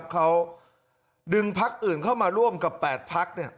เขาดึงพักอื่นเข้ามาร่วมกับ๘พัก